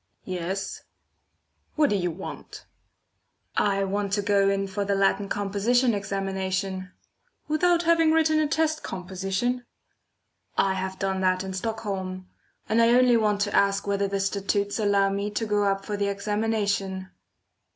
"Yes." "What do you want?" "I want to go in for the Latin Composition examination." "Without having written a test composition?" "I have done that in Stockholm and I only want to ask whether the statutes allow me to go up for the examination."